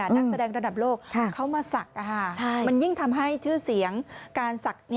นักแสดงระดับโลกเขามาศักดิ์มันยิ่งทำให้ชื่อเสียงการศักดิ์